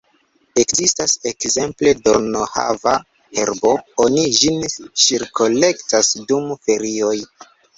Ekzistas, ekzemple, dornohava-herbo, oni ĝin ŝirkolektas dum ferioj.